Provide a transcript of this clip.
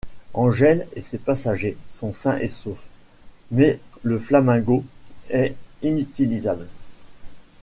Angel et ses passagers sont sains et saufs, mais le Flamingo est inutilisable.